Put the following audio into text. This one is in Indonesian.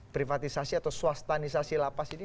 privatisasi atau swastanisasi lapas ini